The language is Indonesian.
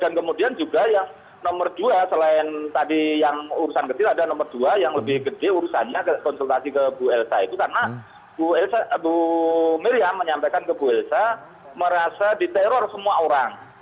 dan kemudian juga yang nomor dua selain tadi yang urusan kecil ada nomor dua yang lebih gede urusannya konsultasi ke bu elsa itu karena bu miriam menyampaikan ke bu elsa merasa diteror semua orang